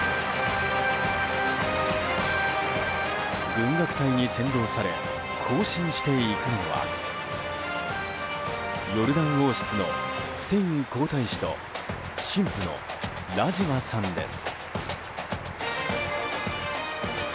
軍楽隊に先導され行進していくのはヨルダン王室のフセイン皇太子と新婦のラジワさんです。